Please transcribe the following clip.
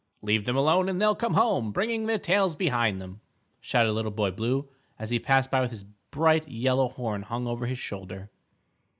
"Leave them alone and they'll come home, bringing their tails behind them," shouted Little Boy Blue, as he passed by with his bright yellow horn hung over his shoulder.